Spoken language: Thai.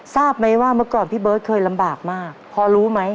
ทราบไหมว่าเมื่อก่อนพี่เบิร์ตเคยลำบากมากพอรู้ไหม